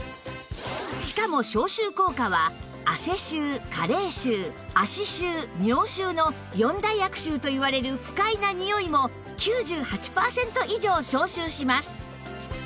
しかも消臭効果は汗臭加齢臭足臭尿臭の４大悪臭といわれる不快なにおいも９８パーセント以上消臭します